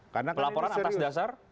pelaporan atas dasar